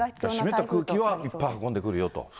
湿った空気はいっぱい運んでくるよと。